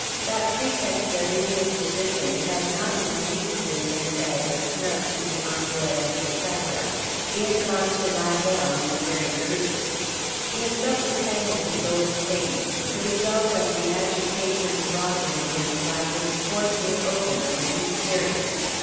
That pretext of indisposition had not in the least been meant as a snub to the envoy of The Tatler—he had gone to lie down in very truth. He had felt a pang of his old pain, the result of the agitation wrought in him by this forcing open of a new period.